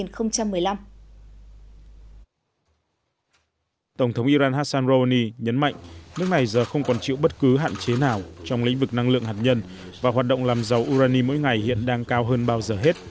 tổng thống iran hassan rouhani nhấn mạnh nước này giờ không còn chịu bất cứ hạn chế nào trong lĩnh vực năng lượng hạt nhân và hoạt động làm dầu urani mỗi ngày hiện đang cao hơn bao giờ hết